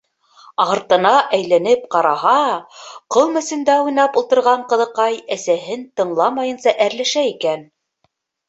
Артына әйләнеп ҡараһа, ҡом эсендә уйнап ултырған ҡыҙыҡай әсәһен тыңламайынса әрләшә икән.